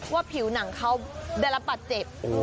ว่าผิวหนังเขาดังละปัดเจ็บ